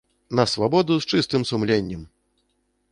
На свабоду з чыстым сумленнем!